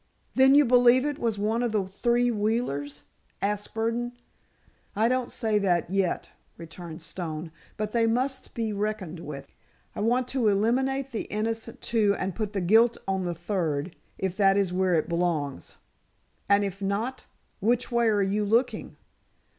"Then you believe it was one of the three Wheelers?" asked Burdon. "I don't say that, yet," returned Stone. "But they must be reckoned with. I want to eliminate the innocent two and put the guilt on the third—if that is where it belongs." "And if not, which way are you looking?"